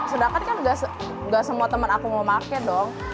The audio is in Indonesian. sedangkan kan gak semua temen aku mau pakai dong